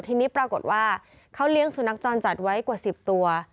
ทีนี้ปรากฏว่าเขาเลี้ยงสุนัขจรจัดไว้กว่า๑๐ตัว